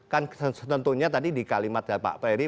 kan tentunya tadi di kalimat pak ferry